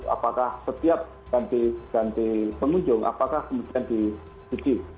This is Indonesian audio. apakah setiap ganti pengunjung apakah kemudian dicuci